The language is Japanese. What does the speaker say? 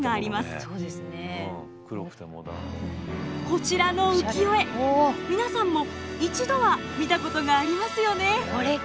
こちらの浮世絵皆さんも一度は見たことがありますよね。